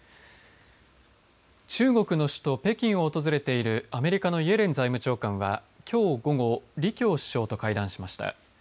中国の首都、北京を訪れているアメリカのイエレン財務長官はきょう午後李強首相と会談しました。